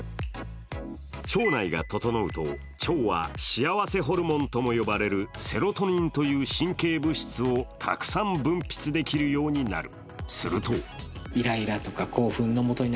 腸内が整うと、腸は幸せホルモンとも呼ばれるセロトニンという神経物質をたくさん分泌できるようになる。